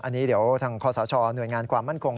อันนี้เดี๋ยวทางคศหน่วยงานความมั่นคง